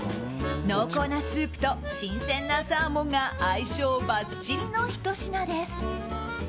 濃厚なスープと新鮮なサーモンが相性ばっちりのひと品です。